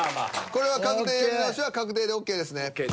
これは確定やり直しは確定でＯＫですね？